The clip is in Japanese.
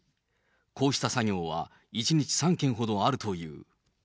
こうした作業は１日３件ほどあるという。